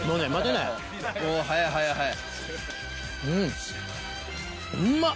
早い早い早い。